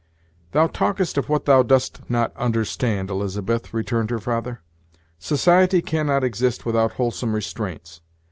"Thou talkest of what thou dost not understand, Elizabeth," returned her father. "Society cannot exist without wholesome restraints.